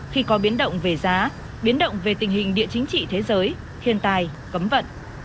khi có biến động về giá biến động về tình hình địa chính trị thế giới thiên tài cấm vận